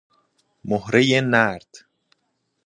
مهرهٔ نرد